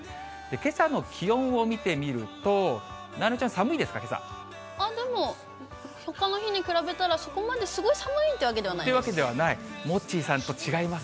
けさの気温を見てみると、なえなのちゃん、でも、ほかの日に比べたら、そこまですごい寒いってわけではないです。